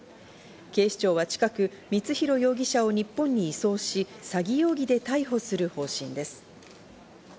警視庁は近く光弘容疑者を日本に移送し、詐欺容疑で逮捕する方針です。